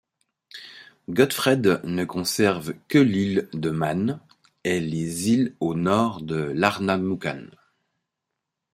Godfred ne conserve que l'île de Man et les îles au nord de l'Ardnamurchan.